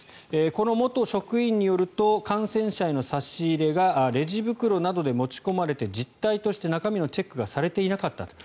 この元職員によると感染者への差し入れがレジ袋などで持ち込まれて実態として中身のチェックがされていなかったと。